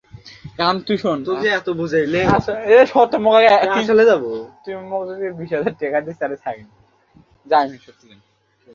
আমিও তোমার সাথে যাব।